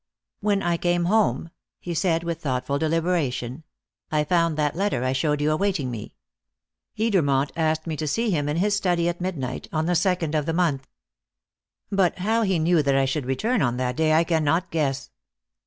"When I came home," he said with thoughtful deliberation, "I found that letter I showed you awaiting me. Edermont asked me to see him in his study at midnight on the second of the month. But how he knew that I should return on that day I cannot guess."